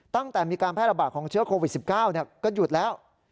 ตั้งแต่มีการแพร่ระบาดของเชื้อโควิด๑๙ก็หยุดแล้ว